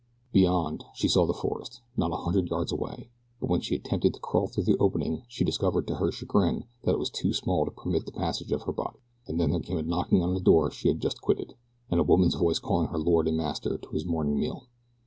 Beyond she saw the forest, not a hundred yards away; but when she attempted to crawl through the opening she discovered to her chagrin that it was too small to permit the passage of her body. And then there came a knocking on the door she had just quitted, and a woman's voice calling her lord and master to his morning meal.